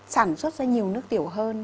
sản xuất ra nhiều nước tiểu hơn